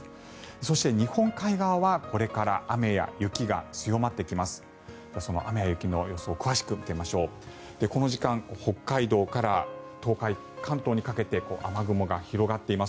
そして日本海側はこれから雨や雪が強まってきます。